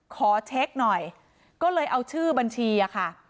ขอเช็คหน่อยก็เลยเอาชื่อบัญชีอะค่ะ